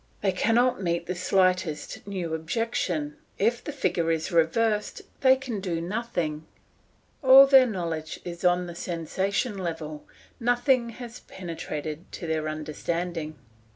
They cannot meet the slightest new objection; if the figure is reversed they can do nothing. All their knowledge is on the sensation level, nothing has penetrated to their understanding.